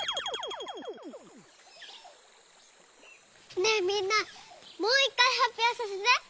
ねえみんなもういっかいはっぴょうさせて。